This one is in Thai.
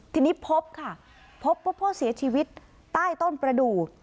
ทีนี้เผาแล้วพบค่ะเพราะพ่อเสียชีวิตใต้ต้นปรดู